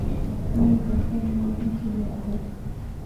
نوی دفتر نوی مسؤولیت لري